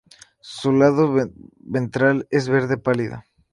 Su lado ventral es verde pálido.